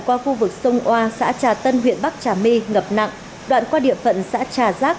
qua khu vực sông oa xã trà tân huyện bắc trà my ngập nặng đoạn qua địa phận xã trà giác